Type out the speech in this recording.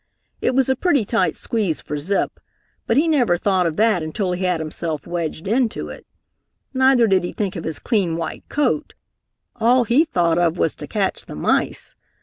It was a pretty tight squeeze for Zip, but he never thought of that until he had himself wedged into it. Neither did he think of his clean white coat. All he thought of was to catch the mice.